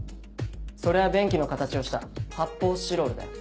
それは便器の形をした発泡スチロールだよ。